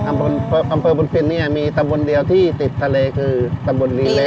อำเภอพนฟินมีตำบวนเดียวที่ติดทะเลคือตำบวนลีเรสค่ะ